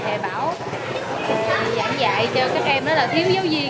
thầy bảo dạy cho các em đó là thiếu giáo viên